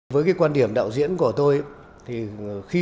với cái quan điểm đạo diễn của tôi